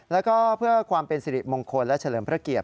แล้วก็เพื่อความเป็นสิริมงคลและเฉลิมพระเกียรติ